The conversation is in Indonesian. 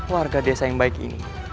warga desa yang baik ini